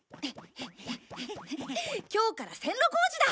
今日から線路工事だ。